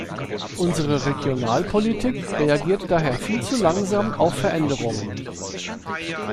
Unsere Regionalpolitik reagiert daher viel zu langsam auf Veränderungen.